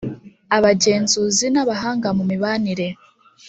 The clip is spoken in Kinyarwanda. Abagenzuzi n abahanga mu imibare